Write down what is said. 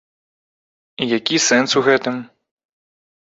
І які сэнс у гэтым?